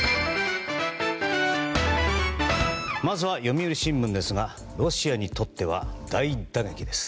まずは読売新聞ですがロシアにとっては大打撃です。